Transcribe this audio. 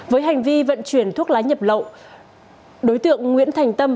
với hành vi vận chuyển thuốc lá nhập lậu đối tượng nguyễn thành tâm